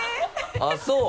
あぁそう。